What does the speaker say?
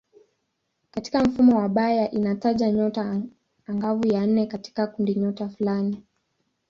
Katika mfumo wa Bayer inataja nyota angavu ya nne katika kundinyota fulani.